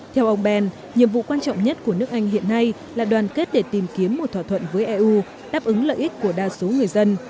theo ông ben nhiệm vụ quan trọng nhất của nước anh hiện nay là đoàn kết để tìm kiếm một thỏa thuận với eu đáp ứng lợi ích của đa số người dân